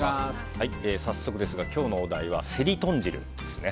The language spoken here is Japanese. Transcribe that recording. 早速ですが、今日のお題はセリ豚汁ですね。